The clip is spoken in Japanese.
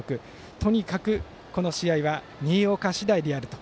とにかく、この試合は新岡次第であると。